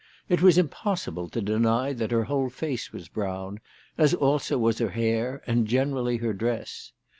It was impossible to deny that her whole face was brown, as also was her hair, and generally her dress.